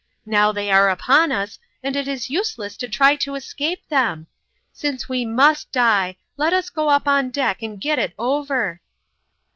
Now they are upon us, and it is useless to try to escape them. Since we must die, let us go up on deck and get it over